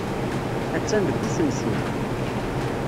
Attan deg usensu.